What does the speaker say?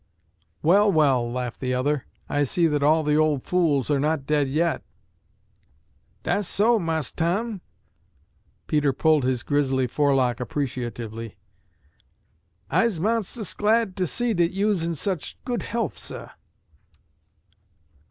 "Well, well!" laughed the other. "I see that all the old fools are not dead yet." "Dat's so, Mars' Tom." Peter pulled his grizzly forelock appreciatively. "I's monsus glad to see dat you's in such good health, suh."